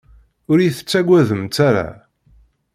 Ur iyi-tettagademt ara.